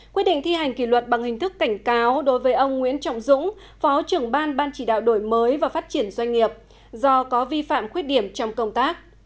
quyết định thi hành kỷ luật bằng hình thức cảnh cáo đối với ông nguyễn trọng dũng phó trưởng ban ban chỉ đạo đổi mới và phát triển doanh nghiệp do có vi phạm khuyết điểm trong công tác